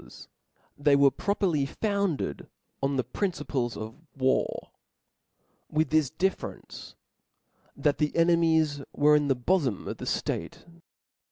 ^S^ * They were properly founded on the principles of chap/16; war, with this difference, that the enemies were in the bofom of the (late.